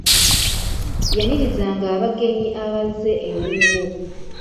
Yanirizanga abagenyi abazze ewuwo.